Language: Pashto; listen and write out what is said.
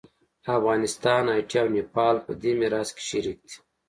افغانستان، هایټي او نیپال په دې میراث کې شریک دي.